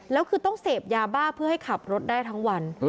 แล้วคือต้องเสพยาบ้าเพื่อให้ขับรถได้ทั้งวัน